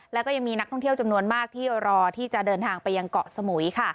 แล้วก็ยังมีนักท่องเที่ยวจำนวนมากที่รอที่จะเดินทางไปยังเกาะสมุยค่ะ